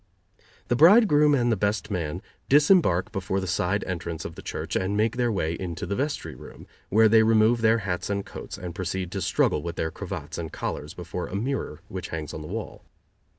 The bridegroom and the best man disembark before the side entrance of the church and make their way into the vestry room, where they remove their hats and coats, and proceed to struggle with their cravats and collars before a mirror which hangs on the wall.